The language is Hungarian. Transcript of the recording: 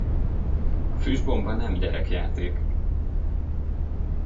A füstbomba nem gyerekjáték.